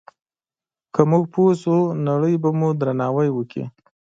که موږ پوه شو، نړۍ به مو درناوی وکړي.